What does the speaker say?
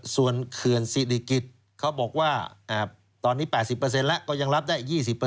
ส่วนเขื่อนศิริกิจเขาบอกว่าตอนนี้๘๐แล้วก็ยังรับได้๒๐